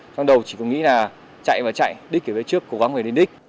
trong đầu chỉ có nghĩ là chạy và chạy đích kể về trước cố gắng về đến đích